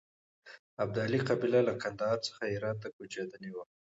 ابدالي قبیله له کندهار څخه هرات ته کوچېدلې وه.